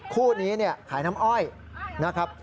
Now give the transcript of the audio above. คู่นี้ขายน้ำอ้อยนะครับ